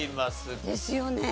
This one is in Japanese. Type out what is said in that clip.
ですよね。